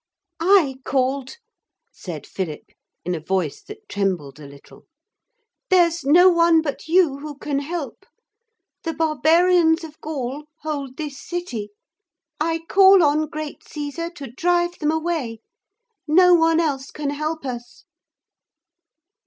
'I called,' said Philip in a voice that trembled a little. 'There's no one but you who can help. The barbarians of Gaul hold this city. I call on great Caesar to drive them away. No one else can help us.'